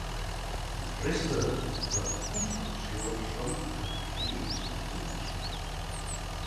La resta de la construcció són afegits posteriors.